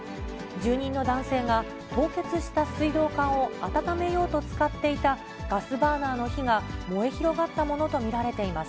住人の男性が凍結した水道管を温めようと使っていたガスバーナーの火が燃え広がったものと見られています。